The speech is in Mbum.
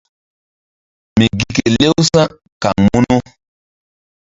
Mi gi kelew sa̧ kaŋ munu.